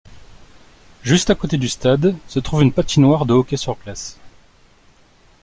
Juste à côté du stade, se trouve une patinoire de hockey sur glace.